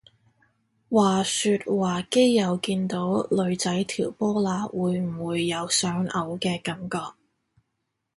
話說話基友見到女仔條波罅會唔會有想嘔嘅感覺？